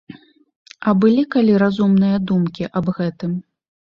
А былі калі разумныя думкі аб гэтым?!.